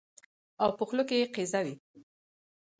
او په خوله کې يې قیضه وي